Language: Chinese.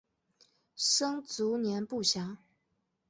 生卒年不详。